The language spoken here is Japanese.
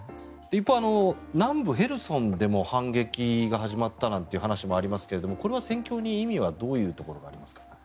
一方、南部ヘルソンでも反撃が始まったなんて話もありますけれどこれは戦況に意味はどういうところがありますか？